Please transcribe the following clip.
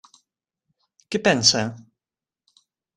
Què pensa?